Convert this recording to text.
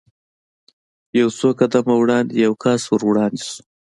یو څو قدمه وړاندې یو کس ور وړاندې شو.